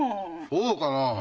そうかなぁ。